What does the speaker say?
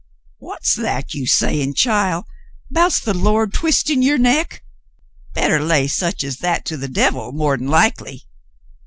"What's that you sayin', child, 'bouts the Lord twistin' yer neck ? Bettah lay sech as that to the devil, more'n likely."